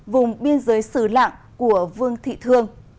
vùng biên giới xứ lạng của vương thị thương